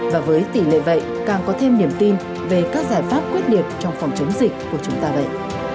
và với tỷ lệ vậy càng có thêm niềm tin về các giải pháp quyết liệt trong phòng chống dịch của chúng ta vậy